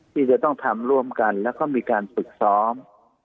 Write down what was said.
ที่จะต้องทำร่วมกันแล้วก็มีการฝึกซ้อม